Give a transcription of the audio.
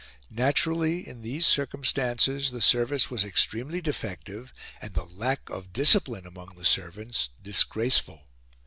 Naturally, in these circumstances the service was extremely defective and the lack of discipline among the servants disgraceful.